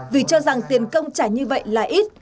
vì cho rằng tiền công trả như vậy là ít